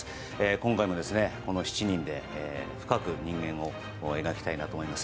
今回もこの７人で深く人間を描きたいなと思います。